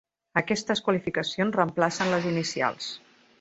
Aquestes qualificacions reemplacen les inicials.